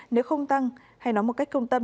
nếu không tăng hay nói một cách công tâm